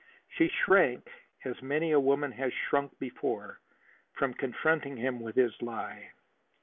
She shrank, as many a woman has shrunk before, from confronting him with his lie.